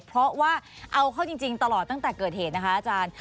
เพราะว่าเอาเข้าจริงตลอดตั้งแต่เกิดเหตุนะคะอาจารย์